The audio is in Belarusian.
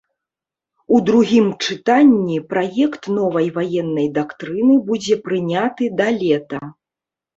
У другім чытанні праект новай ваеннай дактрыны будзе прыняты да лета.